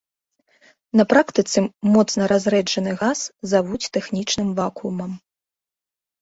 На практыцы моцна разрэджаны газ завуць тэхнічным вакуумам.